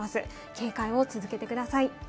警戒を続けてください。